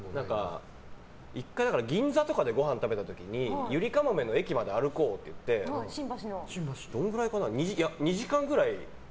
１回、銀座とかでごはん食べた時にゆりかもめの駅まで歩こうっていって違う駅まで？